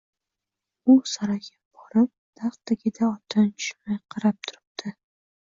U saroyga borib taxt tagida otdan tushmay qarab turibdi